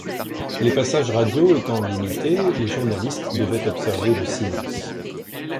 Les passages radio étant limités, les journalistes devaient observer le silence.